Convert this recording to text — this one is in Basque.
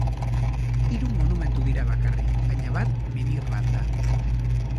Hiru monumentu dira bakarrik baina bat menhir bat da.